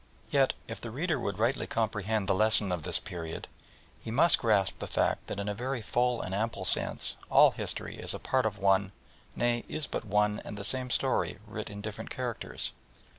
Yet if the reader would rightly comprehend the lesson of this period, he must grasp the fact that in a very full and ample sense all history is a part of one nay, is but one and the same story writ in different characters.